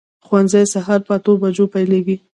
ښوونځی سهار په اتو بجو پیلېږي.